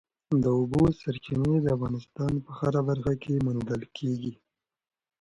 د اوبو سرچینې د افغانستان په هره برخه کې موندل کېږي.